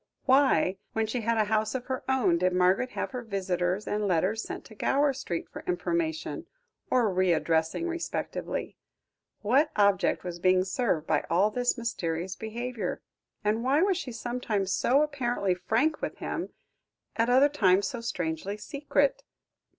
Why, when she had a house of her own, did Margaret have her visitors and letters sent to Gower Street for information, or re addressing respectively? What object was being served by all this mysterious behaviour? And why was she sometimes so apparently frank with him, at other times so strangely secret?